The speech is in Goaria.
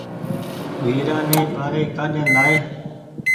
ويرآ ني ٻآري ڪآڏين لآئي